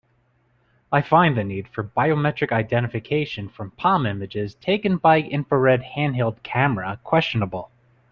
I find the need for biometric identification from palm images taken by infrared handheld camera questionable.